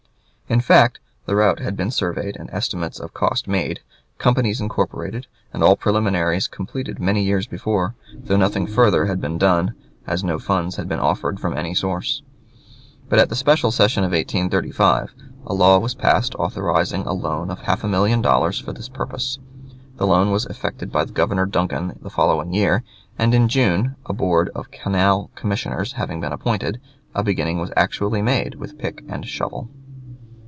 In fact, the route had been surveyed, and estimates of cost made, companies incorporated, and all preliminaries completed many years before, though nothing further had been done, as no funds had been offered from any source. But at the special session of 1835 a law was passed authorizing a loan of half a million dollars for this purpose; the loan was effected by Governor Duncan the following year, and in June, aboard of canal commissioners having been appointed, a beginning was actually made with pick and shovel.